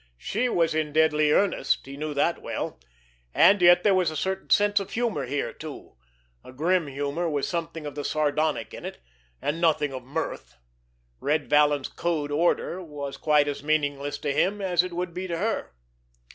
She was in deadly earnest, he knew that well. And yet there was a certain sense of humor here too—a grim humor with something of the sardonic in it, and nothing of mirth. Red Vallon's code order was quite as meaningless to him as it would be to her!